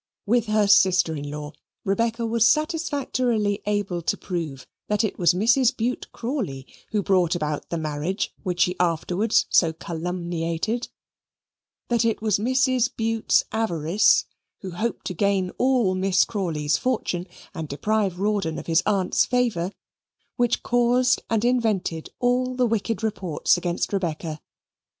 With her sister in law, Rebecca was satisfactorily able to prove that it was Mrs. Bute Crawley who brought about the marriage which she afterwards so calumniated; that it was Mrs. Bute's avarice who hoped to gain all Miss Crawley's fortune and deprive Rawdon of his aunt's favour which caused and invented all the wicked reports against Rebecca.